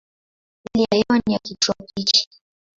Hali ya hewa ni ya kitropiki.